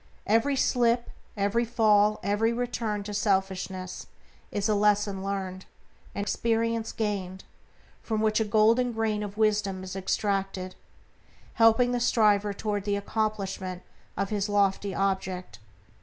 Every slip, every fall, every return to selfishness is a lesson learned, an experience gained, from which a golden grain of wisdom is extracted, helping the striver toward the accomplishment of his lofty object.